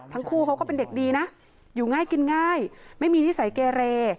ทั้งคู่เขาก็เป็นเด็กดีนะอยู่ง่ายกินง่ายไม่มีนิสัยเกเร